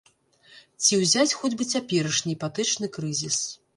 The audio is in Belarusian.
Ці ўзяць хоць бы цяперашні іпатэчны крызіс.